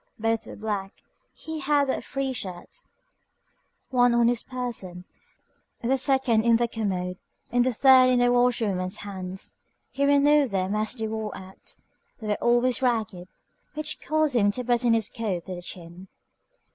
Both were black. He had but three shirts, one on his person, the second in the commode, and the third in the washerwoman's hands. He renewed them as they wore out. They were always ragged, which caused him to button his coat to the chin.